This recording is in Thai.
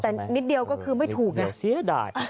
แต่นิดเดียวก็คือไม่ถูกนะนิดเดียวเสียได้